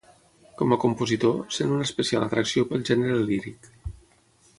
Com a compositor, sent una especial atracció pel gènere líric.